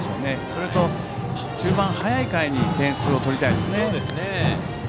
それと中盤、早い回に点数を取りたいですね。